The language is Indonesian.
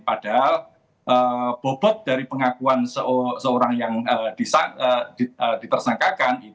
padahal bobot dari pengakuan seorang yang ditersangkakan